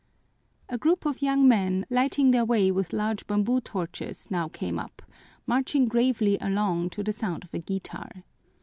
A group of young men, lighting their way with large bamboo torches, now came up, marching gravely along to the sound of a guitar.